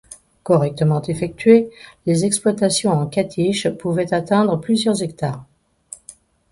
Correctement effectuées, les exploitations en catiches pouvaient atteindre plusieurs hectares.